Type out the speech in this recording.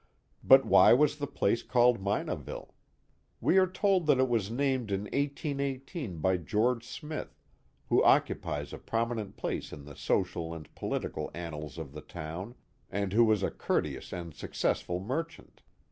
But why was the place called Minaville ? We are told that it was named in 1818 by George Smith, who occupies a prominent place in the social and political annals of the town, and who was a courteous and successful merchant.